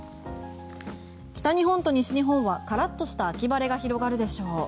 北日本と西日本はカラッとした秋晴れが広がるでしょう。